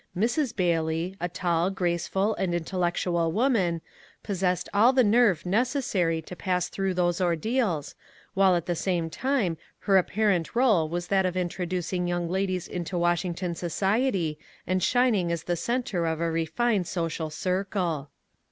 Mrs. Bailey, a tall, graceful, and intellec tual woman, possessed all the nerve necessary to pass through those ordeals, while at the same time her apparent role was that of introducing young ladies into Washington society and shining as the centre of a refined social circle.